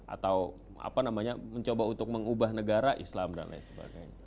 atau mencoba untuk mengubah negara islam dan lain sebagainya